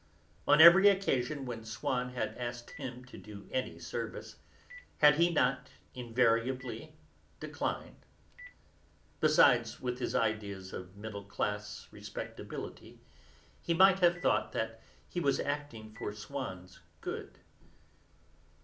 On every occasion when Swann had asked him to do him any service, had he not invariably declined? Besides, with his ideas of middle class respectability, he might have thought that he was acting for Swann's good.